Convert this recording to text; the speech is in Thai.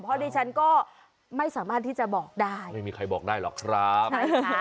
เพราะดิฉันก็ไม่สามารถที่จะบอกได้ไม่มีใครบอกได้หรอกครับใช่ค่ะ